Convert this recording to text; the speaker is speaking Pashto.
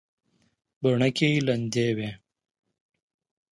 بڼکې لندې وې.